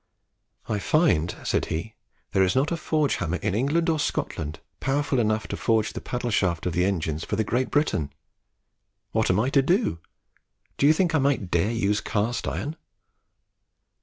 "I find," said he, "there is not a forge hammer in England or Scotland powerful enough to forge the paddle shaft of the engines for the 'Great Britain!' What am I to do? Do you think I might dare to use cast iron?"